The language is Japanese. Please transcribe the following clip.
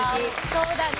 そうだね。